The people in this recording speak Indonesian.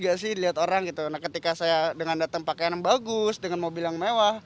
jadi obwohl kita punya mobil mewah